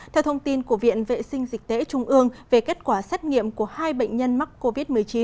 theo thông tin của viện vệ sinh dịch tễ trung ương về kết quả xét nghiệm của hai bệnh nhân mắc covid một mươi chín